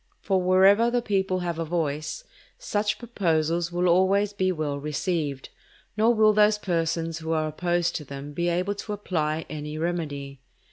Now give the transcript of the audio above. For wherever the people have a voice, such proposals will always be well received, nor will those persons who are opposed to them be able to apply any remedy.